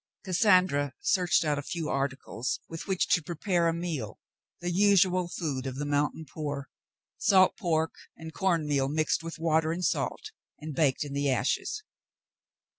Cas sandra searched out a few articles with which to prepare a meal — the usual food of the mountain poor — salt pork, and corn meal mixed with water and salt and baked in the ashes.